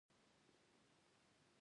افغانستان باید څنګه اباد شي؟